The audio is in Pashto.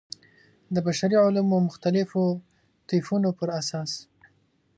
د بشري علومو مختلفو طیفونو پر اساس.